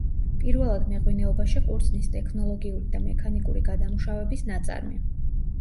პირველად მეღვინეობაში ყურძნის ტექნოლოგიური და მექანიკური გადამუშავების ნაწარმი.